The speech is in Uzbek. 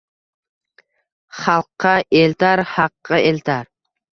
Xalqqa eltar, haqqa eltar